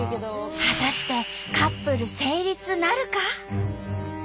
果たしてカップル成立なるか？